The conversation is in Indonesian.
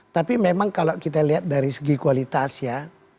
tapi memang kalau kita lihat dari segi kualitas ya